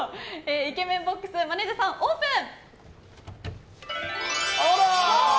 イケメンボックスマネジャーさんオープン。